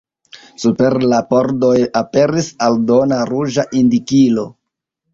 Super la pordoj aperis aldona ruĝa indikilo.